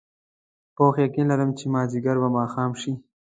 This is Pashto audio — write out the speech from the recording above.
پوخ یقین لرم چې مازدیګر به ماښام شي.